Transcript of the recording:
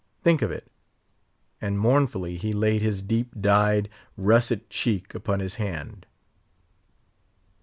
think of it;" and mournfully he laid his deep dyed, russet cheek upon his hand.